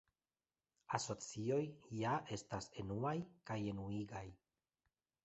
Asocioj ja estas enuaj kaj enuigaj.